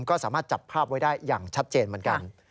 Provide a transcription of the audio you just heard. ก็สามารถจับภาพไว้ได้อย่างชัดเจนเหมือนกัน